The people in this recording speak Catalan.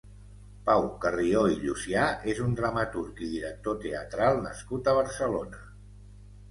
Pau Carrió i Llucià és un dramaturg i director teatral nascut a Barcelona.